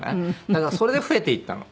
だからそれで増えていったの。